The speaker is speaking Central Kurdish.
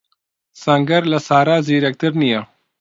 سەنگەر لە سارا زیرەکتر نییە.